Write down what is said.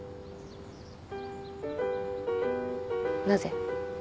なぜ？